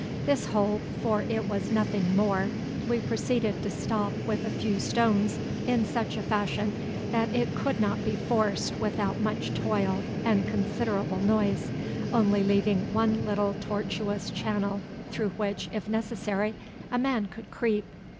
This hole, for it was nothing more, we proceeded to stop with a few stones in such a fashion that it could not be forced without much toil and considerable noise, only leaving one little tortuous channel through which, if necessary, a man could creep.